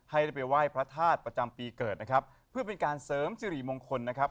ให้ได้ไปไหว้พระธาตุประจำปีเกิดนะครับเพื่อเป็นการเสริมสิริมงคลนะครับ